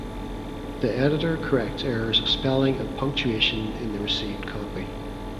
The editor corrects errors of spelling and punctuation in the received copy.